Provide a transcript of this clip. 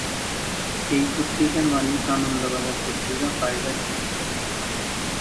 এই পত্রিকার মালিক আনন্দবাজার পত্রিকা প্রাইভেট লিমিটেড।